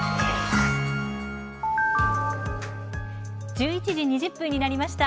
１１時２０分になりました。